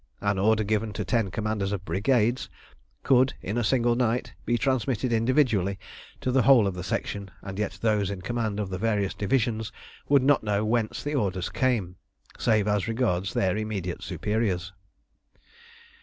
An order given to ten commanders of brigades could, in a single night, be transmitted individually to the whole of the Section, and yet those in command of the various divisions would not know whence the orders came, save as regards their immediate superiors.